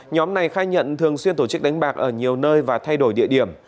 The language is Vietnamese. nhóm này khai nhận thường xuyên tổ chức đánh bạc ở nhiều nơi và thay đổi địa điểm